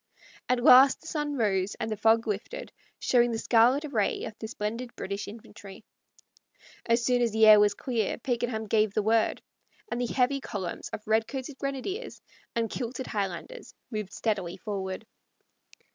At last the sun rose and the fog lifted, showing the scarlet array of the splendid British infantry. As soon as the air was clear Pakenham gave the word, and the heavy columns of redcoated grenadiers and kilted Highlanders moved steadily forward.